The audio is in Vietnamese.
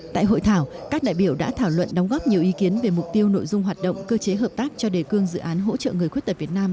tại hội thảo các đại biểu đã thảo luận đóng góp nhiều ý kiến về mục tiêu nội dung hoạt động cơ chế hợp tác cho đề cương dự án hỗ trợ người khuyết tật việt nam